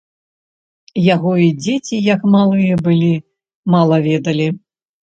Яго й дзеці, як малыя былі, мала ведалі.